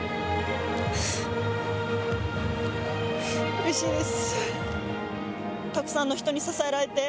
うれしいです。